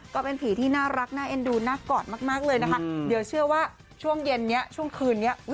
ก็เป็นผีที่น่ารักน่าเอ็นดูน่ากอดมากเลยนะคะเดี๋ยวเชื่อว่าช่วงเย็นนี้ช่วงคืนนี้